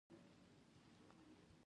د بخارۍ استعمال د یخنۍ د مخنیوي لپاره دی.